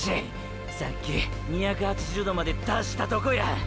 さっき２８０℃まで達したとこや。